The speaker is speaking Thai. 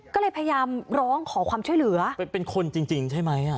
ก็เลยพยายามร้องขอความช่วยเหลือเป็นคนจริงจริงใช่ไหมอ่ะ